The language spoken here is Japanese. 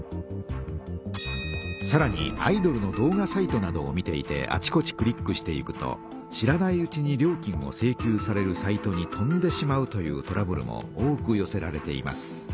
さらにアイドルの動画サイトなどを見ていてあちこちクリックしていくと知らないうちに料金を請求されるサイトに飛んでしまうというトラブルも多くよせられています。